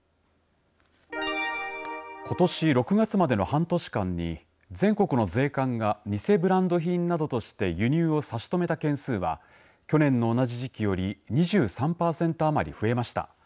ことし６月までの半年間に全国の税関が偽ブランド品などとして輸入を差し止めた件数は去年の同じ時期より２３パーセント余り増えました。